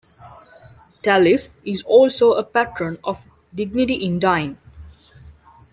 Tallis is also a Patron of Dignity in Dying.